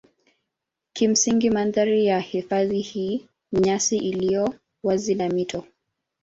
Kimsingi mandhari ya hifadhi hii ni nyasi iliyo wazi na mito.